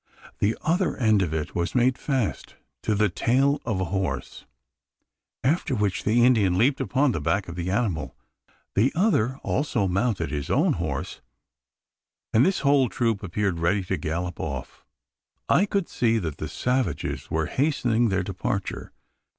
The other end of it was made fast to the tail of a horse; after which the Indian leaped upon the back of the animal. The other also mounted his own horse; and the whole troop appeared ready to gallop off. I could see that the savages were hastening their departure.